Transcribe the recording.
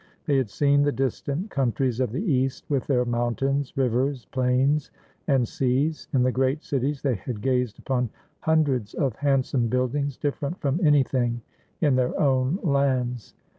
They had seen the distant countries of the East with their mountains, rivers, plains, and seas. In the great cities they had gazed upon hundreds of handsome buildings different from anything in their own lands.